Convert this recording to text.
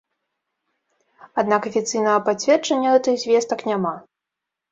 Аднак афіцыйнага пацверджання гэтых звестак няма.